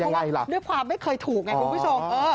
เพราะว่าด้วยความไม่เคยถูกไงคุณผู้ชม